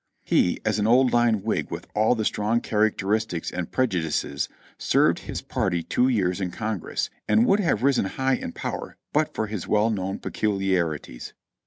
He, as an old line Whig with all the strong characteristics and prejudices, served his party two years in Congress, and would have risen high in power but for his well known peculiarities.